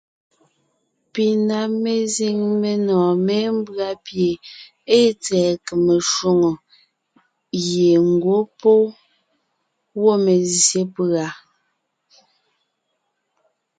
Pi na mezíŋ menɔ̀ɔn mémbʉ́a pie ée tsɛ̀ɛ kème shwòŋo gie ńgwɔ́ pɔ́ wɔ́ mezsyé pùa.